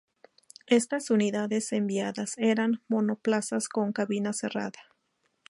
Estas unidades enviadas, eran monoplazas con cabina cerrada.